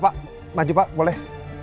pak maju pak boleh